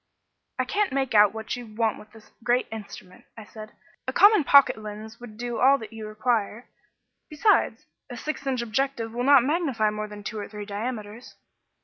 "I can't make out what you want with this great instrument," I said. "A common pocket lens would do all that you require. Besides, a six inch objective will not magnify more than two or three diameters."